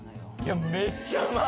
めっちゃうまい！